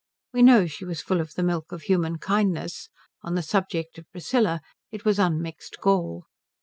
We know she was full of the milk of human kindness: on the subject of Priscilla it was unmixed gall.